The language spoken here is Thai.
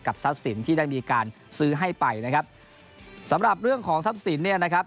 ทรัพย์สินที่ได้มีการซื้อให้ไปนะครับสำหรับเรื่องของทรัพย์สินเนี่ยนะครับ